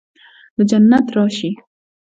د جنت راشي